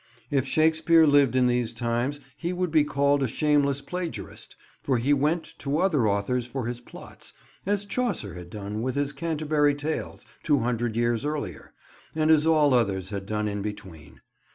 If Shakespeare lived in these times he would be called a shameless plagiarist, for he went to other authors for his plots—as Chaucer had done with his Canterbury Tales, two hundred years earlier, and as all others had done in between.